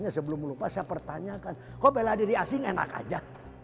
sebelum lupa saya pertanyakan kok bela diri asing enak aja